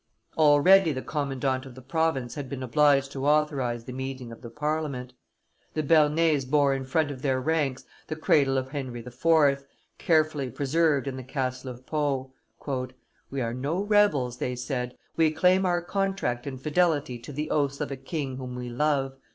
Already the commandant of the province had been obliged to authorize the meeting of the Parliament. The Bearnese bore in front of their ranks the cradle of Henry IV., carefully preserved in the Castle of Pau. "We are no rebels," they said: "we claim our contract and fidelity to the oaths of a king whom we love.